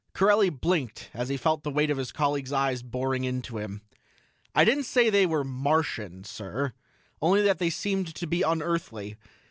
Corelli blinked as he felt the weight of his colleagues' eyes boring into him. "I didn't say they were Martian, sir only that they seemed to be unearthly.